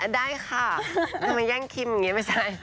ได้ค่ะทำไมแย่งคิมอย่างนี้ไม่ใช่